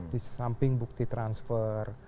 di samping bukti transfer